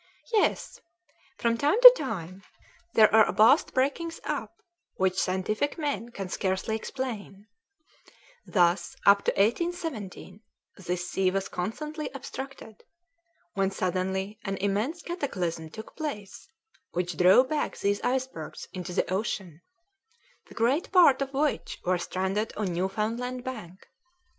"Yes; from time to time there are vast breakings up which scientific men can scarcely explain; thus, up to 1817 this sea was constantly obstructed, when suddenly an immense cataclysm took place which drove back these icebergs into the ocean, the great part of which were stranded on Newfoundland Bank.